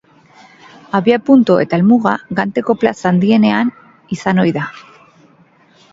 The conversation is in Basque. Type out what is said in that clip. Abiapuntu eta helmuga Ganteko plaza handienean izan ohi da.